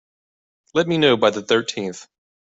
Let me know by the thirteenth.